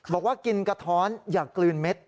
บอกว่ากินกะท้อนอย่ากลืนเม็ด